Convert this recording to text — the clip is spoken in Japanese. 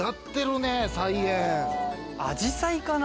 あじさいかな？